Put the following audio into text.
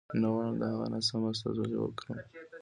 نه غواړم د هغه ناسمه استازولي وکړم.